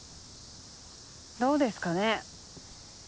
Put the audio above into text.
どうですかね。